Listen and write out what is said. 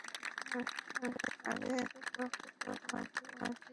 আরে এতো সময় ধরে করছিলেটা কী?